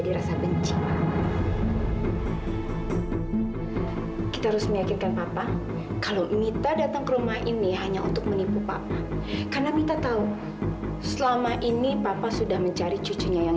di tapi kamu tau kan rencananya